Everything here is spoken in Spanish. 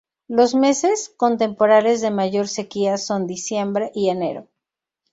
Los meses con temporales de mayor sequía son diciembre y enero.